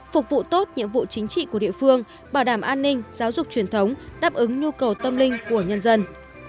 phục vụ tốt nhiệm vụ chính trị của địa phương bảo đảm an ninh giáo dục truyền thống đáp ứng nhu cầu tâm linh của nhân dân